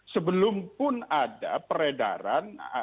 sebelum pun ada peredaran